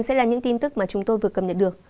sẽ là những tin tức mà chúng tôi vừa cầm nhận được